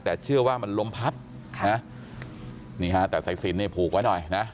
แต่เชื่อว่ามันลมพัดค่ะนะนี่ฮะแต่สายสินเนี่ยผูกไว้หน่อยนะ